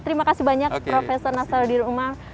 terima kasih banyak prof nasarudin umar